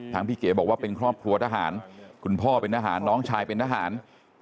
พี่เก๋บอกว่าเป็นครอบครัวทหารคุณพ่อเป็นทหารน้องชายเป็นทหาร